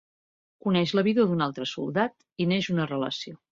Coneix la vídua d'un altre soldat i neix una relació.